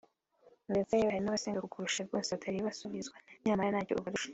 ndetse yewe hari n’abasenga kukurusha rwose batari basubizwa nyamara ntacyo ubarusha